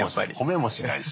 褒めもしないし。